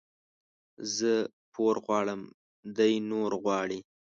زه پور غواړم ، دى نور غواړي.